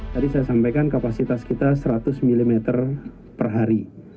tadi saya sampaikan kapasitas kita seratus mm per hari